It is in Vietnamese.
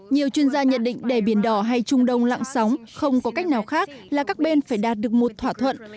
nhiều chuyên gia nhận định để biển đỏ hay trung đông lặng sóng không có cách nào khác là các bên phải đạt được một thỏa thuận